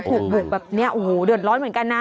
ถูกบุกแบบนี้โอ้โหเดือดร้อนเหมือนกันนะ